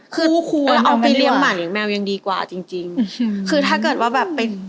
คือเอาไปเดี๋ยวหมั่นอย่างแมวยังดีกว่าจริงจริงคือถ้าเกิดว่าแบบไป